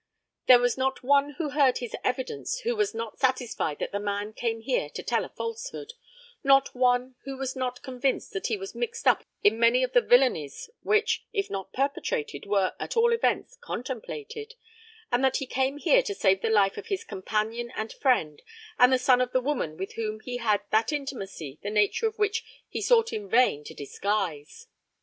There was not one who heard his evidence who was not satisfied that the man came here to tell a falsehood not one who was not convinced that he was mixed up in many of the villanies which, if not perpetrated, were, at all events, contemplated, and that he came here to save the life of his companion and friend, and the son of the woman with whom he had that intimacy the nature of which he sought in vain to disguise.